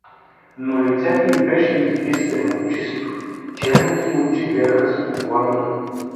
Но лицето и беше избистрено, чисто, черните и очи гледаха спокойно.